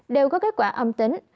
đều có kết quả âm tính